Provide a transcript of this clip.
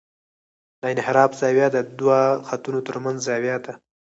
د انحراف زاویه د دوه خطونو ترمنځ زاویه ده